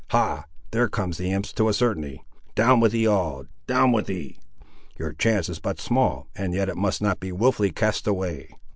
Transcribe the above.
Ha! there come the imps to a certainty. Down with ye all, down with ye; your chance is but small, and yet it must not be wilfully cast away."